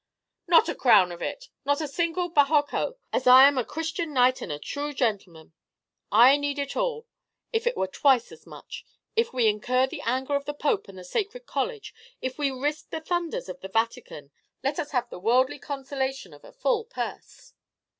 "Not one crown of it, not a single bajocco, as I am a Christian knight and a true gentleman. I need it all, if it were twice as much. If we incur the anger of the Pope and the Sacred College, if we risk the thunders of the Vatican, let us have the worldly consolation of a full purse."